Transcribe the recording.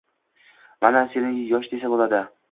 Mana seni yosh desa bo`ladi